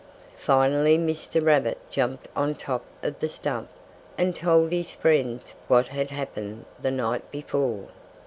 Finally Mr. Rabbit jumped on top of the stump and told his friends what had happened the night before.